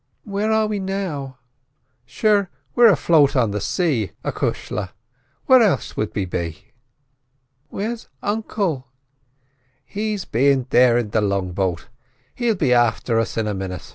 "Where are we now?" "Sure, we're afloat on the say, acushla; where else would we be?" "Where's uncle?" "He's beyant there in the long boat—he'll be afther us in a minit."